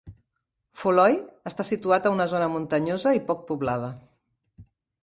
Foloi està situat a una zona muntanyosa i poc poblada.